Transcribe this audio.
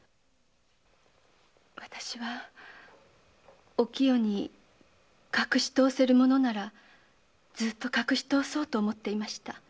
私はお清に隠しとおせるものなら隠しとおそうと思っていました。